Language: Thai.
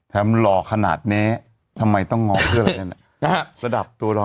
หล่อขนาดนี้ทำไมต้องงอเพื่ออะไรนั่น